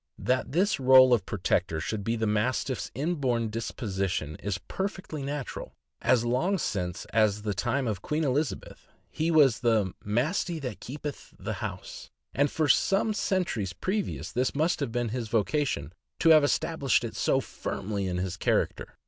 That this role of protector should be the Mastiff's inborn disposition is perfectly natural; as long since as the time of Queen Elizabeth he was "the Mastie that keepyth the house," and for some centuries previous this must have been his vocation, to have established it so firmly as his character.